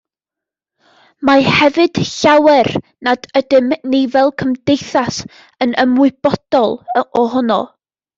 Mae hefyd llawer nad ydym ni fel cymdeithas yn ymwybodol ohono